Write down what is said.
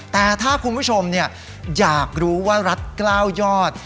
แต่ถ้าคุณผู้ชมอยากรู้ว่ารัฐกล้าวยอด